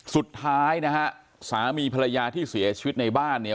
สุดท้ายนะฮะสามีภรรยาที่เสียชีวิตในบ้านเนี่ย